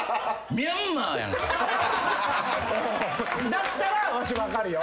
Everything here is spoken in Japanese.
だったらわし分かるよ。